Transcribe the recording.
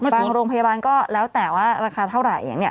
โรงพยาบาลก็แล้วแต่ว่าราคาเท่าไหร่